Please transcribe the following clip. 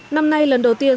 năm nay lần đầu tiên